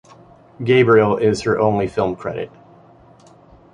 "Gabriel" is her only film credit.